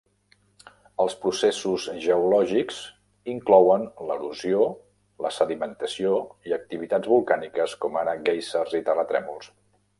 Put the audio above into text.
Els processos geològics inclouen l'erosió, la sedimentació i activitats volcàniques, com ara guèisers i terratrèmols.